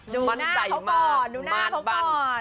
ดูหน้าเขาก่อนดูหน้าเขาก่อนมั่นใจมามั่นบั่น